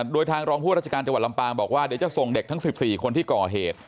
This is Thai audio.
โดยทางรองผู้ราชการจังหวัดลำปางบอกว่าเดี๋ยวจะส่งเด็กทั้ง๑๔คนที่ก่อเหตุ